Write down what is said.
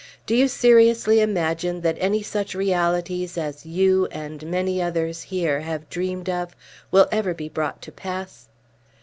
Do you seriously imagine that any such realities as you, and many others here, have dreamed of, will ever be brought to pass?"